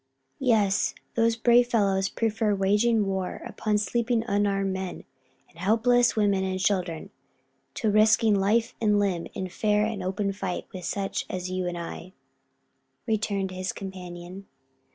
"Yes, those brave fellows prefer waging war upon sleeping unarmed men, and helpless women and children, to risking life and limb in fair and open fight with such as you and I," returned his companion.